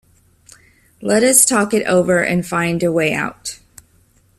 Let us talk it over and find a way out.